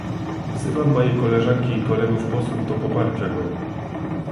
Wzywam moje koleżanki i kolegów posłów do poparcia go